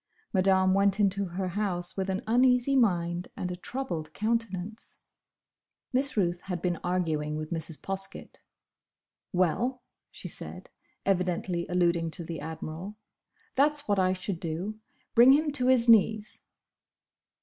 Madame went into her house with an uneasy mind and a troubled countenance. Miss Ruth had been arguing with Mrs. Poskett. "Well," she said, evidently alluding to the Admiral, "That's what I should do! Bring him to his knees."